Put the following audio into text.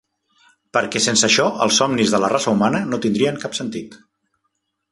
Perquè sense això els somnis de la raça humana no tindrien cap sentit.